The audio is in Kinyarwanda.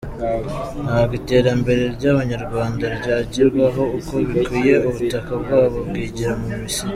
Ntabwo iterambere ry’Abanyarwanda ryagerwaho uko bikwiye ubutaka bwabo bwigira mu Misiri.